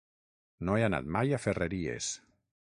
No he anat mai a Ferreries.